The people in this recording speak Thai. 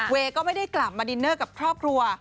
ก็ไม่ได้กลับมาดินเนอร์กับครอบครัว